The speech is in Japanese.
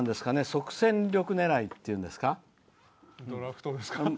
即戦力狙いっていうんですかね。